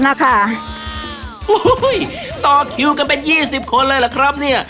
นะคะต่อคิวกันเป็นยี่สิบคนเลยแหละครับเนี้ย